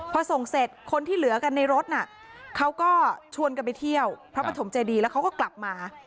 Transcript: พอส่งเสร็จคนที่เหลือกันในรถน่ะเขาก็ชวนกันไปเที่ยวพระปฐมเจดีแล้วเขาก็กลับมา